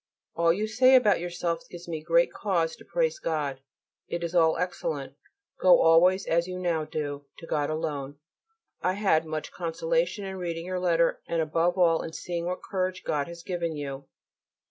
All you say about yourself gives me great cause to praise God. It is all excellent. Go always, as you now do, to God alone. I had much consolation in reading your letter and above all in seeing what courage God has given you.